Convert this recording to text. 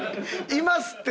いますって！